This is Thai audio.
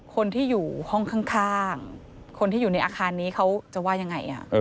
คนที่อยู่ห้องข้างคนที่อยู่ในอาคารนี้เขาจะว่ายังไง